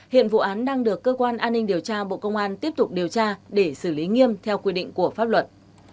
hiện vụ án đang được cơ quan an ninh điều tra bộ công an tiếp tục điều tra để xử lý nghiêm theo quy định của pháp luật